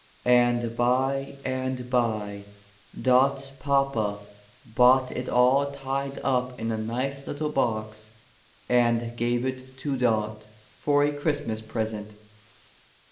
— and by and by Dot's papa bought it all tied up in a nice little box, and gave it to Dot for a Christmas present.